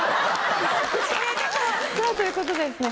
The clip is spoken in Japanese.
さぁということでですね